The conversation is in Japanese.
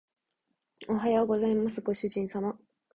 おはようございますご主人様